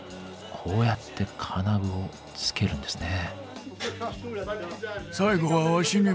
こうやって金具を付けるんですね。